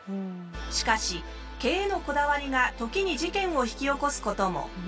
しかし毛へのこだわりが時に事件を引き起こすことも。